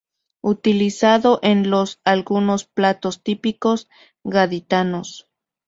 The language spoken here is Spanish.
Utilizado en los algunos platos típicos gaditanos.